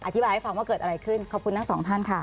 อธิบายให้ฟังว่าเกิดอะไรขึ้นขอบคุณทั้งสองท่านค่ะ